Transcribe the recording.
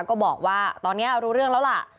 ก็บอกว่าตอนนี้รู้เรื่องแล้วล่ะ